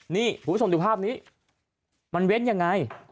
นี่คุณผู้ชมดูภาพนี้มันเว้นยังไง